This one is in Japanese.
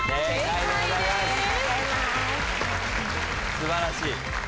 素晴らしい。